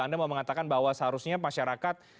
anda mau mengatakan bahwa seharusnya masyarakat